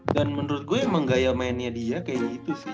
dan menurut gue emang gaya mainnya dia kayak gitu sih